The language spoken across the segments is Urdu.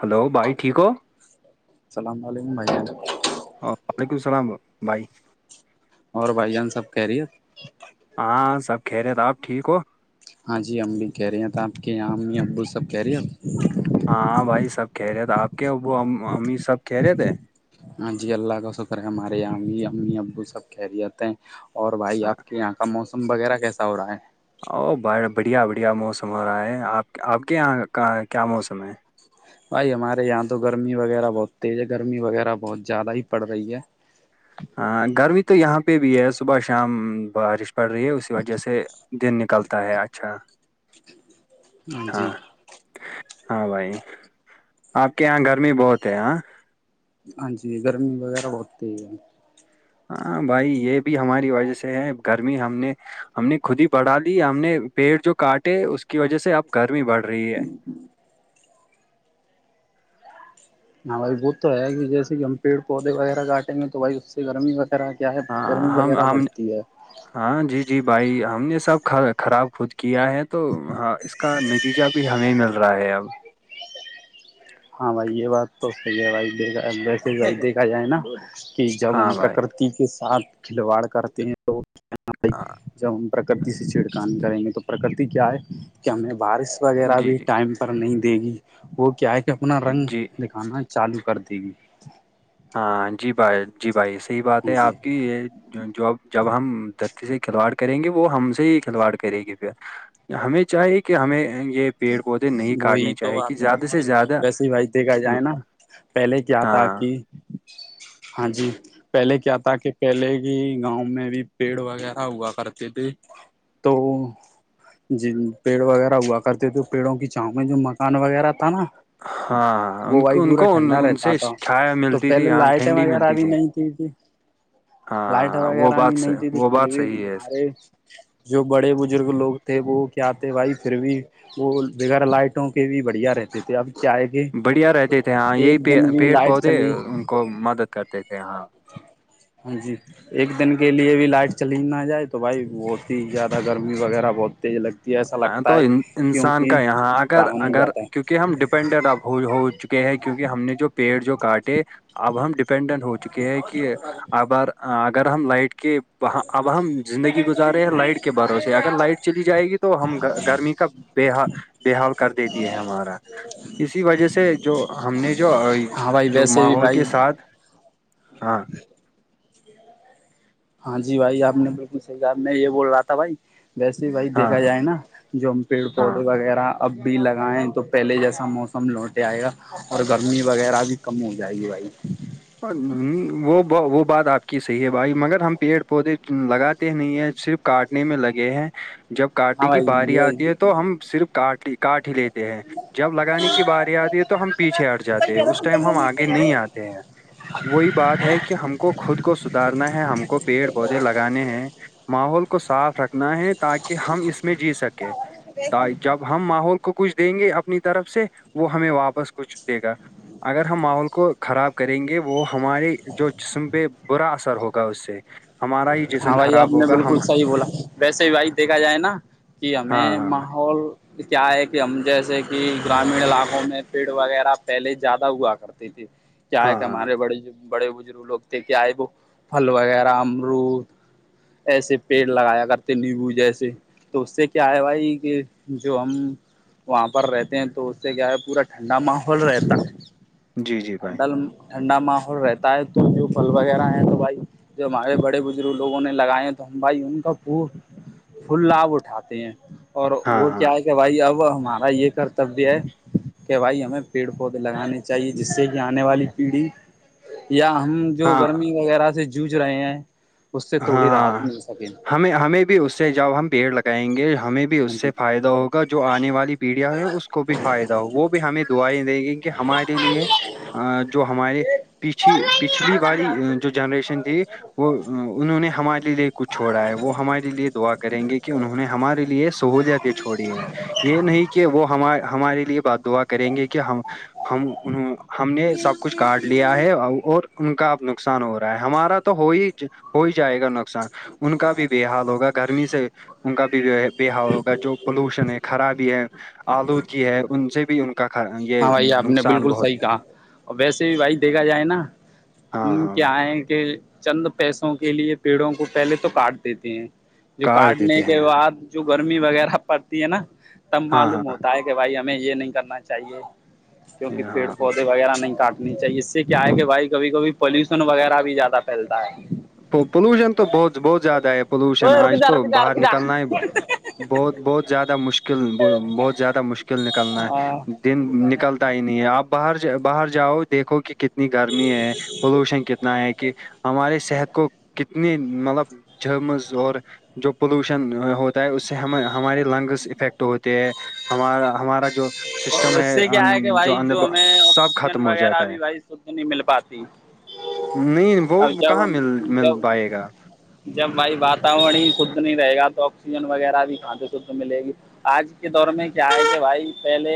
ہلو بھائی ٹھیک ہو السلام علیکم بھائیان ہاں وعلیکم السلام بھائی اور بھائی جان سب کہہ رہی ہے ہاں سب کہہ رہے تھ آپ ٹھیک ہو ہاں جی ا بھی کہہ رہی ہیں تو آپ کے یہاں امی ابو سب کہہ رہی ہے آپ ہاں بھائی سب کہہ رہے تھے آپ کے وہ امی سب کہہ رہے تھے ہاں جی اللہ کا شکر ہے ہمارےاممی امی ابو سب کہہریت ہیں اور بھائی ہاں آپ کے یہاں کا موسم وغیرہ کیسا ہو رہا ہے او ب بڑھیا بڑھیا موسم ہو رہا ہے آپ آپ کے یہاں کیا موسم ہے بھائی ہمارے یہاں تو گرمی وغیرہ بہت تیز ہے گرمی وغیرہ بہت زیادہ ہی پڑ رہی ہے ہاں گرمی تو یہاں پہ بھی ہے صبح شام بارش پڑ رہی ہے اسی وجہ سے دن نکلتا ہے اچھا ہاں ہاں بھائی آپ کے یہاں گرمی بہت ہے ہاں ہاں جی گرمی وغیرہ بہت تز ہے ہاں بھائی یہ بھی ہماری وجہ سے ہے گرمی ہم نے ہم نے خود ہی بڑھا لی ہم نے پیڑ جو کاٹے اس کی وجہ سے اب گرمی بڑھ رہی ہے ہاں بھائی وہ تو ہے کہ جیسے کہ ہم پیڑ پودے وغیرہ کاٹیں گے تو بھائی اس سے گرمی وغیرہ کیا ہے ہاں گرمی ہم وغیرہ ہم بڑھتی ہے ہاں جی جی بھائی ہم نے سب خراب خود کیا ہے تو ہاں کا نتیجہ بھی ہمیں مل رہا ہے اب ہاں بھائی یہ بات تو صحیح ہے بھائی دیکھ دیکھا جائے نا کہ جب ہم ہاں بھائی پرکرتی کے ساتھ کھلواڑ کرتے ہیں تو ہاں جب ہم پرکرتی سے چھڑکان کریں گے تو پرکرتی کیا ہے کہ ہمیں بارش وغیرہ جی بھی جی ٹائم پر نہیں دے گی وہ کیا ہے کہ اپنا رنگ جی دکھانا چالو کر دے گی ہاں جی بھائی جی بھائی صحیح بات ہے جی آپ کی یہ جو جب ہم دھرتی سے کھلواڑ کریں گے وہ ہم سے ہی کھلواڑ کرے گی پھر ہمیں چاہیے کہ ہمیں یہ پیڑ پودے نہیں وہی کاٹنے تو چاہیے کہ بات ہے زیادہ نا سے بھائی زیادہ ویسے ہی بھائی دیکھا جائے نا پہلے کیا تھا ہاں کہ [unintelligible] ہاں جی پہلے کیا تھا کہ پہلے ہی گاؤں میں بھی پیڑ وغیرہ ہوا کرتے تھے تو جی پیڑ وغیرہ ہوا کرتے تو پیڑوں کی چاؤ میں جو مکان وغیرہ تھا نا ہاں وہ ان وہی کو ان پورا کو ان ٹھنڈا ان رہتا سے تھا چھایا تو ملتی تھی پہلے یہاں لائٹیں ٹھنڈی وغیرہ ملتی بھی تھی نہیں ت لائٹ ہاں وہ وغیرہ بھی بات سے نہیں تھی ت وہ پھر بات بھی صحیح ہے مارے جو بڑے بزرگ لوگ تھے وہ کیا تھے بھائی پھر بھی وہ بغیرہ لائٹوں کے بھی بڑھیا رہتے تھے اب کیا کہ بڑھیا رہتے تھے ہاں یہی ایک دن بھی پیڑ لائٹ پودے چلی کو مدد کرتے تھے ہاں ہاں جی ایک دن کے لیے بھی لائٹ چل ہی نہ جائے تو بھائی بہت ہی زیادہ گرمی وغیرہ بہت تیز لگتی ہے ایسا ہاں لگتا تو ہے انسان کا کیونکہ یہاں اگر رہا نہیں اگر جاتا ہے۔ کیونکہ ہم ڈپینڈڈ ہو چکے ہیں کیونکہ ہم نے جو پیڑ جو کاٹے اب ہم ڈیپینڈنٹ ہو چکے یہ ہے کہ ابار اگر ہم لائٹ کے اب ہم زندگی گزار رہے ہیں لائٹ کے باروں سے اگر لائٹ چلی جائے گی تو ہم گرمی کا بے حال بے حال کر دیتی ہے ہمارا اسی وجہ سے جو ہم نے جو ہاں بھائی جو ویسے بھی ماحول کے بھائی ساتھ ہاں ہاں جی بھائی آپ بالکل صحیح کہ میں یہ بول رہا تھا بھائی ویسے بھائی ہاں دیکھا جائے نا جو پیڑ ہاں پودے وغیرہ اب بھی لگائیں تو پہلے جیسا موسم لوٹے آئے گا اور گرمی وغیرہ بھی کم ہو جائے گی بھائی وہ وہ بات آپ کی صحیح ہے بھائی مگر ہم پیڑ پودے لگاتے نہیں ہیں صرف کاٹنے میں لگے ہیں جب ہاں کاٹنے کی بھائی باری یہ آتی ہے تو ہم صرف کاٹ لی کاٹ ہی لیتے ہیں جب لگانے کی باری آتی ہے تو ہم پیچھے ہٹ جاتے ہیں اس ٹائم ہم آگے نہیں آتے ہیں وہی بات ہے کہ ہم کو خود کو سدارنا ہے ہم کو پیڑ پودے لگانے ہیں ماحول کو صاف رکھنا ہے تاکہ ہم اس میں جی سکیں جب ہم ماحول کو کچھ دیں گے اپنی طرف سے وہ ہمیں واپس کچھ دے گا اگر ہم ماحول کو خراب کریں گے وہ ہمارے جو جسم پہ برا اثر ہوگا اس سے ہمارا ہی جسم ہاں بھائی آپ خراب نے ہوگا ہم بالکل صحیح بولا ویسے ہی بھائی دیکھا جائے نا کہ ہاں ہممیں ہاں بھائی ماحول کیا ہے کہ ہم جیسے کہ گرامین علاقوں میں پیڑ وغیرہ پہلے زیادہ ہوا کر کیا ہاں ہاں ہمارے بڑے بڑے بزرگ لوگ تھے کیا ہے وہ پھل وغیرہ ارود ایسے پیڑ لگایا کرتے نیمبو جیسے تو اس سے کیا ہے بھائی کہ جو ہم وہاں پر رہتے ہیں تو اس سے کیا ہے پورا ٹھنڈا ماحول رہتا ہے جی جی بھائی ٹھنڈل ٹھنڈا ماحول رہتا ہے تو جو پھل وغیرہ ہے تو بھائی جو ہمارے بڑ بڑے بزرگ لوگوں نے لگائے ہیں تو ہم بھائی ان کا فل لھاب اٹھاتے ہیں اور ہاں وہ ہاں کیا ہے کہ بھائی اب ہمارا یہ کرتبیہ ہے کہ بھائی ہمیں پیڑ پودے لگانے چاہیے جس سے کہ آنے والی پیڑھی یا ہم جو ہاں گرمی وغیرہ سے جوجھ رہے ہیں اس سے ہاں تھوڑی راحت ہاں مل سکے ہمیں ہمیں بھی اس سے جب ہم پیڑ لگائیں گے ہمیں بھی اس ہاں سے جی فائدہ ہوگا کا جو آنے والی پیڑیا ہے اس کو بھی فائدہ ہو وہ بھی ہمیں دعائیں دیں گی کیکہ ہمارے لیے جو ہمارے پیچھھی پچھلی والی جو جنریشن تھی وہ انہوں نے ہمارے لیے کچھ چھوڑا ہے وہ ہمارے لیے دعا کریں گے کہ انہوں نے ہمارے لیے سہولتیں چھوڑی ہیں یہ نہیں کہ وہ ہم ہمارے لیے بات دعا کریں گے کہ ہم ہم ان ہم نے سب کچھ کاٹ لیا ہے اور ان کا اب نقصان ہو رہا ہے ہمارا تو ہو ہی ہو ہی جائے گا نقصان ان کا بھی بے حال ہوگا گرمی سے ان کا بھی بحاؤ ہوگا جو پولوشن ہے خرابی ہے آلودگی ہے ان سے بھی ان کا یہ ہاں بھائی آپ نے نقصان بالکل بہت صحیح کہا اور ویسے بھی بھائی دیکھا جائے نا ہاں ہم ہاں کیا بھائی ہیں کہ چند پیسوں کے لیے پیڑوں کو پہلے تو کاٹ دیتے ہیں جو کاٹ کاٹنے دیتے ہیں کے بعد جو گرمی وغیرہ پڑتی ہے نا تب ہاں معلوم ہاں ہوتا ہے کہ بھائی ہمیں یہ نہیں کرنا چاہیے کیونکہ یہ پیڑ ہاں پودے وغیرہ نہیں کاٹ نی چاہیے اس سے کیا ہے کہ بھائی کبھی کبھی پولوشن وغیرہ بھی زیادہ پھیلتا ہے تو پولوشن تو بہت بہت زیادہ ہے پولوشن اوئے رک آج جا تو رک جا باہر رک جا نکلنا ہے بہت بہت زیادہ مشکل بہت زیادہ مشکل کل نکلنا ہاں ہے دن نکلتا نہیں ہے آپ باہر باہر جاؤ دیکھو کہ کتنی گرمی ہے پولوشن کتنا ہے کہ ہمارے صحت کو کتنی مطلب جمز اور جو پولوشن ہوتا ہے اس سے ہم ہمارے لنگس افیکٹ ہوتے ہیں ہمارا ہمارا جو اور سسٹم ہے اس سے کیا ان ہے کہ جو بھائی اند ہمیں سب آکسیجن ختم ہو وغیرہ جاتا بھی ہے بھائی شدھ نہیں مل پاتی نہیں وہ اب کہاں جب مل مل جب پائے گا جب بھائی واتاورن ہی شھ نہیں رہے گا تو آکسیجن وغیرہ بھی کان تو شھ ملے گی آج کے دور میں کیا ہے تھے بھائی پہلے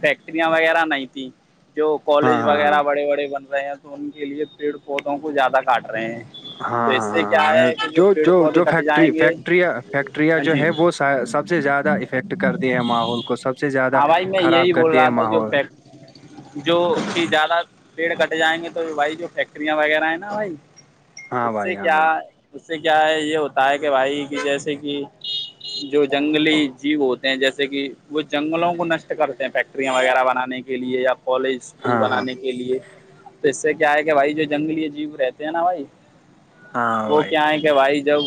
فیکٹریاں وغیرہ نہیں تھی جو ہاں کالج ہاں ہاں وغیرہ بڑے بڑے بن رہے ہیں تو ان کے لیے پیڑ پودوں کو زیادہ کاٹ رہے ہیں ہاں تو اس سے ہاں ہاں کیا ہے کہ جو ہاں پیڑ پودے جو کٹ فیکٹری جائیں گے فیکٹریاں فیکٹریاں ہاں جو جی ہے وہ سب سے زیادہ افیکٹ کر د ہے ماحول کو سب سے زیادہ ہاں بھائی میں خراب یہی کر بول د ہے رہا تھا جو ماحول فیک جو کہ زیادہ پیڑ کٹ جائیں گے تو بھائی جو فیکٹریاں وغیرہ ہیں نا بھائی ہاں اس سے بھائی ہاں کیا بھائی اس سے کیا ہے یہ ہوتا ہے کہ بھائی کہ جیسے کہ جو جنگلی جیو ہوتے ہیں جیسے کہ وہ جنگلوں کو نشٹ کرتے ہیں فیکٹریاں وغیرہ بنانے کے لیے یا کالج اسکول ہاں ہاں بنانے کے لیے تو اس سے کیا ہے کہ بھائی جو جنگلی جیو رہتے ہیں نا بھائی ہاں وہ بھائی کیا ہے کہ بھائی جب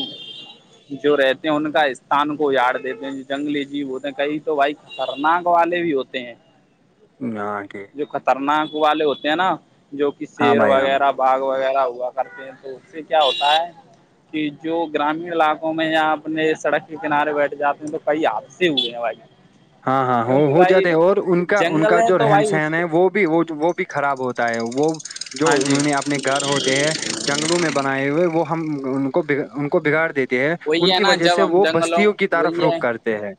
جو رہتے ہیں ان کا استان کو یاار دیتے ہیں جنگلی جی ہوتے ہیں کئی تو وہائی خطرناک والے بھی ہوتے ہیں کے جو خطرناک والے ہوتے ہیں نا جو کہ ہاں شیر بھائی ہاں بھائی وغیرہ باغ وغیرہ ہوا کرتے ہیں تو اس سے کیا ہوتا ہے کہ جو گرامین علاقوں میں اپنے سڑک کے کنارے بیٹھ جاتے ہیں تو کئی حادثے ہوئے ہیں بھائیی ہاں ہاں وہ ہو جاتے ہیں اور ان کا ان جنگل کا ہے جو تو رہن بھائی اس سہن ہے وہ بھی وہ وہ بھی خراب ہوتا ہے وہ جو ہاں جی انہوں نے اپنے گھر ہوتے ہیں جنگلوں میں بنائے ہوئے وہ ہم ان کو ان کو بگاڑ دیتے ہیں وہی ان ہے کی نا وجہ سے جب ہم وہ جنگلوں بستیوں کی طرف وہی رخ ہے کرتے ہیں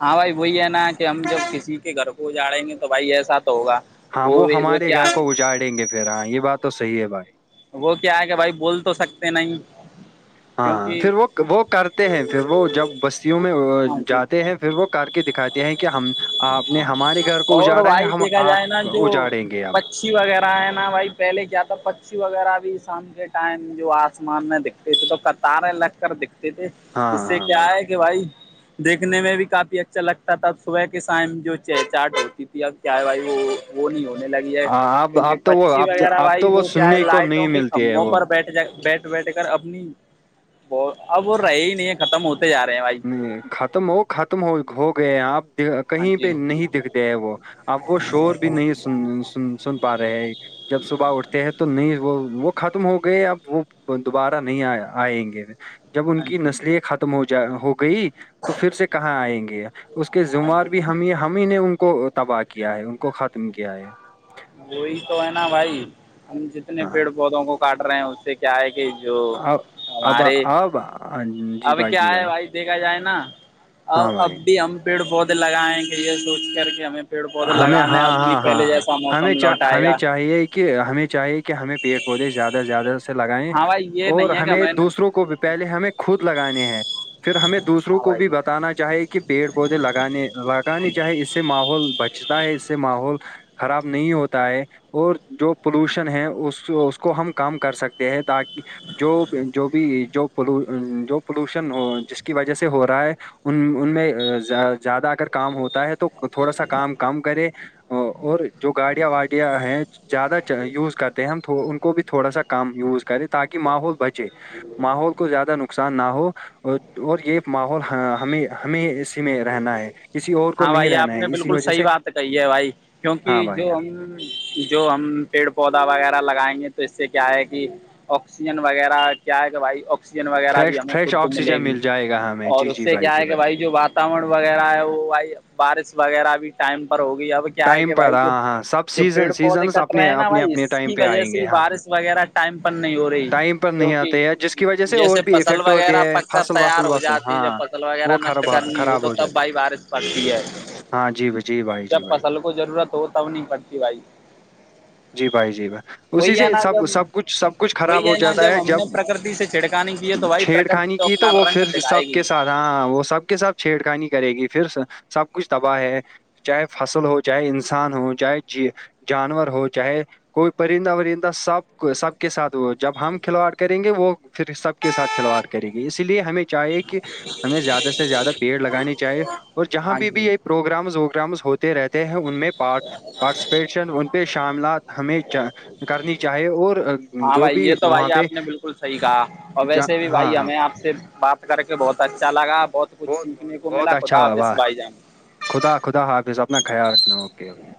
ہاں بھائی وہی ہے نا کہ ہم جب کسی کے گھر کو جاڑیں گے تو بھائی ایسا تو ہوگا وہ وہ کیا ہے جاڑیں گے پھر ہاں یہ بات تو صحی ہے بھائی وہ کیا ہے کہ بھائی بول تو سکتے نہیں ہاں کیونکہ پھر وہ وہ کرتے ہیں پھر وہ جب بستیوں میں ہاں جی جاتے ہیں پھر وہ کر کے دکھا دیا ہے کہ ہم آپ نے ہمارے گھر کو اور اجاڑا ہے ہم آپ اجاڑیں گے اب پی وغیرہ ہے نا بھائی پہلے کیا تھا پکچی وغیرہ بھی شام کے ٹائم جو آسمان میں دکھا تھے تو قطاریں لگ کر دکھتے تھے ہاں ج سے ہاں کیا بھائی ہے بھائی دیکھنے میں بھی کافی اچھا لگتا تھا صبح کے شام جو چ اسٹارٹ ہوتی تھی اب کیا ہے بھائی وہ وہ نہیں ہونے لگی ہے آ، اب کیونکہ اب تو وہ پچی اب وغیرہ اب بائی تو وہ کیا ہے سننے کو لائٹوں نہیں کے ملتی ہے کمبوں وہ پر بیٹھ جا بیٹھ بیٹھ کر اپنی ب اب وہ رہے ہی نہیں ہے ختم ہوتا ا رہے ہیں بائی نہیں ختم ہو ختم ہو ہو گئے آپ ہاں کہیں پہ جی نہیں دکھ د ہے وہ اب وہ شور بھی نہیں سن سن پا رہے ہیں جب صبح اٹھتے ہیں تو نہیں وہ وہ ختم ہو گئے ا وہ دوبارہ نہیں آئیں گے جب ان ہاں کی جی نسلی ختم ہو جا ہو گئی تو پھر سے کہاں آئیں گے اس کے ہاں ذموار جی بھی ہم ہم ہی نے ان کو تباہ کیا ہے ان کو ختم کیا ہے وہی تو ہے نا بھائی ہم جتنے ہاں پیڑ پودوں کو کاٹ رہے ہیں اس سے کیا ہے کہ جو اب اب ہمارے اب جی اب بھائی کیا جی ہے بھائی دیکھا جائے نا ا ہاں اب بھائی بھی ہم پیڑ پودے لگائےیں کہ یہ سوچ کر کے ہمیں پیڑ پودے ہمیں لگانے اب ہاں بھی ہاں ہاں پہلے ہاں جیسا ہمیں موسم لوٹ آئے ہمیں گا چاہیے کہ ہمیں چاہیے کہ ہمیں پیڑ پودے زیادہ سے زیادہ سے لگائےیں ہاں بھائی یہ اور نہیں ہے کہ ہمیں میں نے دوسروں کو پہلے ہمیں خود لگانے ہیں پھر ہمیں دوسروں ہاں کو بھائی بھی بتانا چاہی کہ پیڑ پودے لگانے لگانے چاہے اس سے ماحول بچتا ہے اس سے ماحول خراب نہیں ہوتا ہے اور جو پولوشن ہے اس اس کو ہم کام کر سکتے ہیں تاکہ جو جو بھی جو جو پولوشن جس کی وجہ سے ہو رہا ہے ان ان میں زیادہ اگر کام ہوتا ہے تو تھوڑا سا کام کم کرے اور جو گاڑیاں واڑیاں ہیں زیادہ یوز کرتے ہیں ہم ان کو بھی تھوڑا سا کم یوز کریں تاکہ ماحول بچے ماحول کو زیادہ نقصان نہ ہو اور اور یہ ماحول ہم ہمیں اسی میں رہنا ہے کسی اور کو نہیں رہنا ہے اس صحی بات کہی ہے بھائی کیونکہ بھائی جو ہاں ہم جو ہم پیڑ پودا وغیرہ لگائیں گے تو اس سے کیا ہے کہ آکسیجن وغیرہ کیا ہے کہ بھائی کسیجن وغیرہ بھی فریش ہمیں فریش خود ملے آکسیجن گی مل جائے گا ہمیں اور جی اس جی سے کیا جی ہے کہ بھائی جو بات وغیرہ ہے وہ بارش وغیرہ بھی ٹائم پر ہو گئی ہے اب کیا ہے ٹائم کہ پر بھائی جو ہاں ہاں سب جو سیزن پیڑ پودے سیزنس کٹ رہے اپنے ہیں نا اپنے بھائی اس اپنے ٹائم کی پہ وجہ آئیں سے گے ہی ہاں بارش وغیرہ ٹائم پر نہیں ہو رہی ٹائم پر نہیں کیوںکہ آتے ہے جس کی وجہ سے اور جیسے بھی فصل افیکٹ ہوتے وغیرہ ہے پک کر فصل تیار وصل ہو وصل جاتی ہے جب ہاں فصل وہ وغیرہ نشٹ خراب کرنی ہو خراب تو سب جاتے ہیں۔ بائی بارش پڑتی ہے ہاں جی بھائی، جی بھائی جب جی بھائی فصل کو ضرورت ہو تب نہیں پڑتی بھائی جی بھائی جی بھائی اسی وہی ہے سے نا سب جب سب کچھ سب کچھ خراب وہی ہو نا جاتا ہے ہم جب نے پرکرتی سے چھڑکانی کی ہے تو بھائی چھیڑ پرکرتی خانی کی تو اپنا وہ رنگ پھر دکھائے سب کے گی ساتھ ہاں وہ سب کے سب چھیڑ خانی کرے گی پھر سب کچھ تباہ ہے چاہے فصل ہو چاہے انسان ہو چاہے جانور ہو چاہے کوئی پرندہ ندہ سب سب کے ساتھ وہ جب ہم کھلواڑ کریں گے وہ پھر سب کے ساتھ کھلواڑ کرے گی اسی لیے ہمیں چاہیے کہ ہمیں زیادہ سے زیادہ پیڑ لگانے چاہیے اور جہاں ہاں بھی بھی جی یہ پروگرامز ووگرامز ہوتے رہتے ہیں ان میں پ پارٹیسپیشن ان پہ شاملات ہمیں کرنی چاہیے اور ہاں جو بھائی بھی یہ تو وہاں بھائی پہ آپ نے بالکل صحیح کہا اور جا- ویسے بھی ہاں بھائی ہاں ہمیں آپ سے باپ کر کے بہت اچھا لگا بہت کچھ بہت سیکھنے کو بہت ملا خدا اچھا حافظ واہ بھائی جان خدا خدا حافظ اپنا خیال رکھنا اوکے اوکے